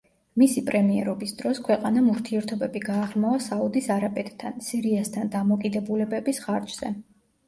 მისი პრემიერობის დროს ქვეყანამ ურთიერთობები გააღრმავა საუდის არაბეთთან, სირიასთან დამოკიდებულებების ხარჯზე.